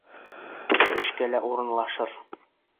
Эшкә лә урынлашыр.